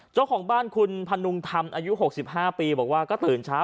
เจ้าของบ้านคุณพนุงธรรมอายุ๖๕ปีบอกว่าก็ตื่นเช้า